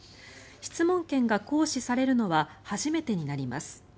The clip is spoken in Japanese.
質問権が行使されるのは初めてになります。